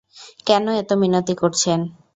কেন এত মিনতি করছেন?